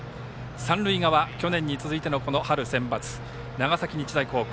三塁側去年に続いての春センバツ長崎日大高校。